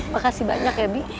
makasih banyak ya bi